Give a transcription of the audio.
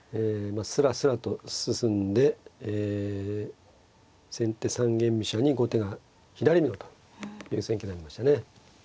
まあスラスラと進んで先手三間飛車に後手が左美濃という戦型になりましたね。